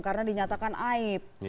karena dinyatakan aib